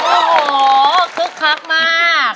โอ้โหคึกคักมาก